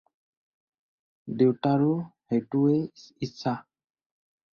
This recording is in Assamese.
দেউতাৰো সেইটোৱেই ইচ্ছা।